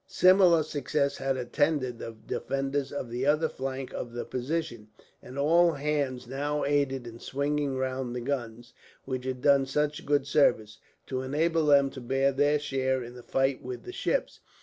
Similar success had attended the defenders of the other flank of the position, and all hands now aided in swinging round the guns, which had done such good service, to enable them to bear their share in the fight with the ships.